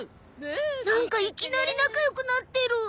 なんかいきなり仲良くなってる。